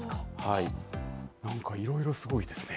なんかいろいろすごいですね。